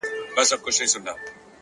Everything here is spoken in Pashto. هغه د بل د كور ډېوه جوړه ده!